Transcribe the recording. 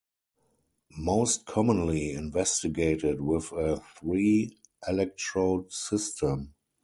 Most commonly investigated with a three electrode system.